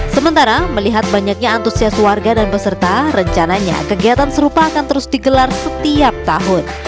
sementara melihat banyaknya antusias warga dan peserta rencananya kegiatan serupa akan terus digelar setiap tahun